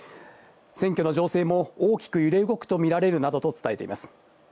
選挙の情勢も大きく揺れ動くと見られるなどと伝えています。